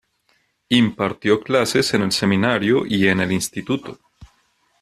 Impartió clases en el Seminario y en el Instituto.